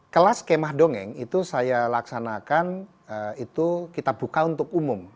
kelas kemah dongeng itu saya laksanakan itu kita buka untuk umum